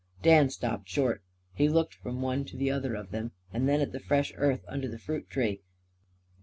Dan stopped short. He looked from one to the other of them; then at the fresh earth under the fruit tree.